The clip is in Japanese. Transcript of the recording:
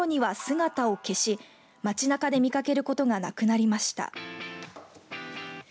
昭和４０年ごろには姿を消し街なかで見掛けることがなくなりました。